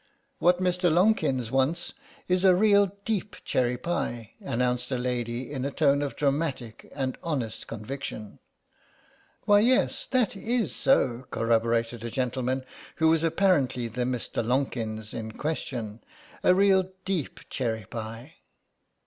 "What Mr. Lonkins wants is a real deep cherry pie," announced a lady in a tone of dramatic and honest conviction. "Why, yes, that is so," corroborated a gentleman who was apparently the Mr. Lonkins in question; "a real deep cherry pie."